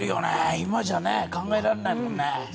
今じゃ考えられないもんね。